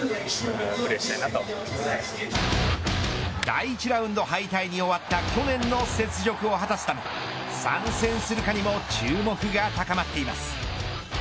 第１ラウンド敗退に終わった去年の雪辱を果たすため参戦するかにも注目が高まっています。